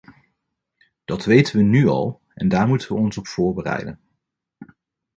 Dat weten we nu al en daar moeten we ons op voorbereiden.